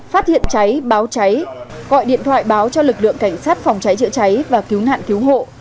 phát hiện cháy báo cháy gọi điện thoại báo cho lực lượng cảnh sát phòng cháy chữa cháy và cứu nạn cứu hộ